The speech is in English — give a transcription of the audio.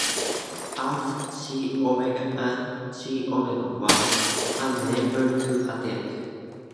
Alpha Chi Omega and Chi Omega were unable to attend.